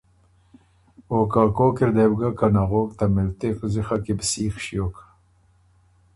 او که کوک اِر دې بو ګۀ که نغوک ته مِلتِغ زِخه کی بو سیخ ݭیوک